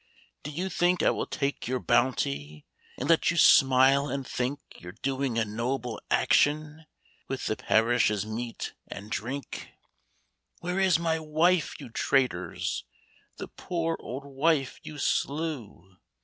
" Do you think I will take your bounty, And let you smile and think You 're doing a noble action With the parish's meat and drink ? Where is my wife, you traitors — The poor old wife you slew